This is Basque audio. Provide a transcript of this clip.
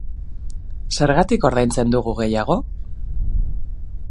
Zergatik ordaintzen dugu gehiago?